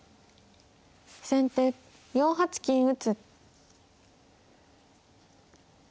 先手４八金打。